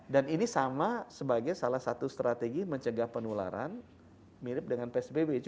dan ini sama sebagai salah satu strategi mencegah penularan mirip dengan psbb